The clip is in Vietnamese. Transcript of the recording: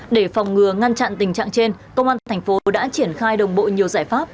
để phòng ngừa ngăn chặn tình trạng trên công an thành phố đã triển khai đồng bộ nhiều giải pháp